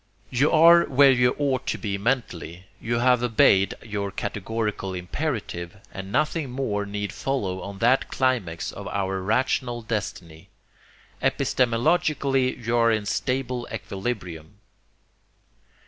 You are where you ought to be mentally; you have obeyed your categorical imperative; and nothing more need follow on that climax of your rational destiny. Epistemologically you are in stable equilibrium.